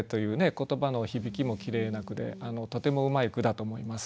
言葉の響きもきれいな句でとてもうまい句だと思います。